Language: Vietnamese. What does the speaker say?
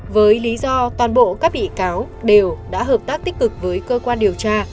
với lý do toàn bộ các bị cáo đều đã hợp tác tích cực với cơ quan điều tra